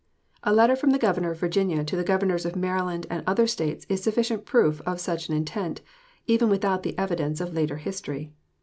A letter from the Governor of Virginia to the Governors of Maryland and other States is sufficient proof of such an intent, even without the evidence of later history.